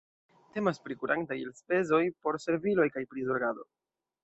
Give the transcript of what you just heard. Temas pri kurantaj elspezoj por serviloj kaj prizorgado.